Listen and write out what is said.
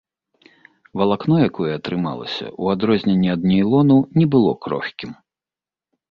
Валакно, якое атрымалася, у адрозненне ад нейлону, не было крохкім.